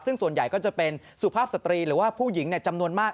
ซึ่งส่วนใหญ่ก็จะเป็นสุภาพสตรีหรือว่าผู้หญิงจำนวนมาก